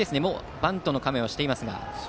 バントの構えをしていますが。